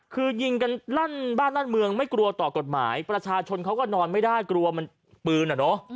คือยิงกันลั่นบ้านลั่นเมืองไม่กลัวต่อกฎหมายประชาชนเขาก็นอนไม่ได้กลัวมันปืนอ่ะเนอะ